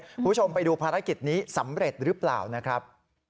คุณผู้ชมไปดูภารกิจนี้สำเร็จหรือเปล่านะครับ